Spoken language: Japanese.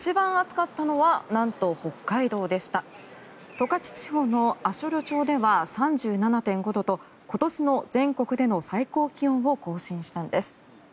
十勝地方の足寄町では３７．５度と今年の全国での最高気温を更新したんです。